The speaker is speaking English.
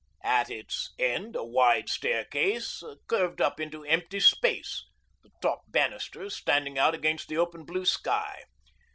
At its end a wide staircase curved up into empty space, the top banisters standing out against the open blue sky.